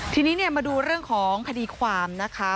ทีนี้เนี่ยมาดูเรื่องของคดีความนะคะ